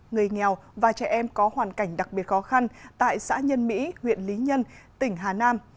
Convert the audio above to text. người nghèo và trẻ em có hoàn cảnh đặc biệt khó khăn tại xã nhân mỹ huyện lý nhân tỉnh hà nam